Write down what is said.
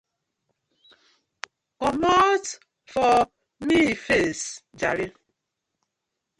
Komot for mi face jare.